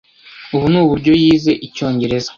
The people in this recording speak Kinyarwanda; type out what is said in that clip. Ubu ni uburyo yize Icyongereza.